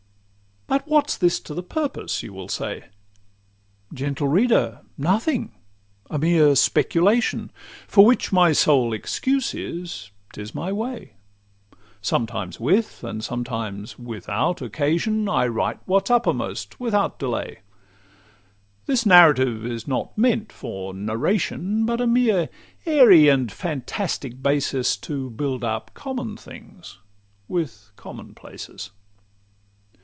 But what 's this to the purpose? you will say. Gent. reader, nothing; a mere speculation, For which my sole excuse is—'tis my way; Sometimes with and sometimes without occasion I write what 's uppermost, without delay: This narrative is not meant for narration, But a mere airy and fantastic basis, To build up common things with common places.